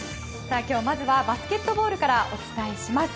今日まずはバスケットボールからお伝えします。